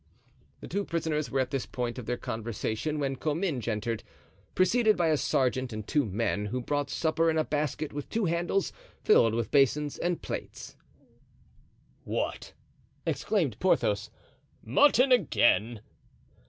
The two prisoners were at this point of their conversation when Comminges entered, preceded by a sergeant and two men, who brought supper in a basket with two handles, filled with basins and plates. "What!" exclaimed Porthos, "mutton again?"